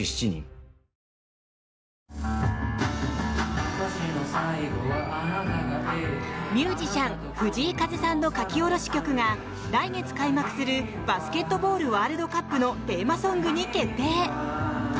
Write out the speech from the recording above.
お申込みはミュージシャン、藤井風さんの書き下ろし曲が来月開幕するバスケットボールワールドカップのテーマソングに決定。